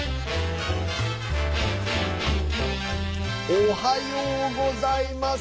おはようございます。